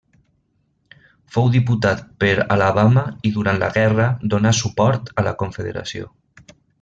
Fou diputat per Alabama i durant la guerra donà suport la Confederació.